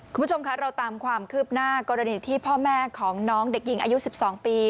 คุณผู้ชมคะเราตามความคืบหน้ากรณีที่พ่อแม่ของน้องเด็กหญิงอายุ๑๒ปี